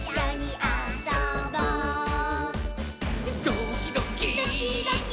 「ドキドキ」ドキドキ。